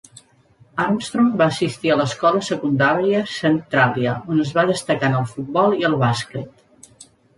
Armstrong va assistir a l'escola secundària Centralia, on es va destacar en el futbol i el bàsquet.